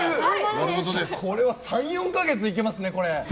これは３４か月いけますね！